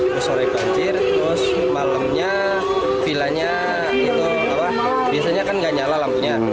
terus sore banjir terus malamnya vilanya itu biasanya kan nggak nyala lampunya